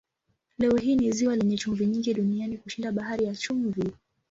Leo hii ni ziwa lenye chumvi nyingi duniani kushinda Bahari ya Chumvi.